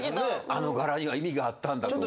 あの柄には意味があったんだと思うと。